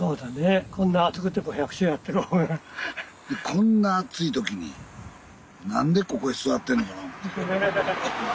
こんな暑い時に何でここへ座ってんのかな思て。